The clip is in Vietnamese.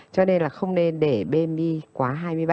cho nên là không nên để bê quá hai mươi ba